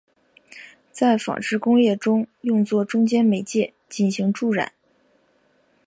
在纺织工业中用作中间媒介进行助染。